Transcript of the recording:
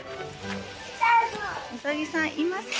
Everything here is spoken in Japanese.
ウサギさんいますか？